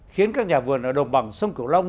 khiến các nhà vườn ở đồng bằng sông cửu long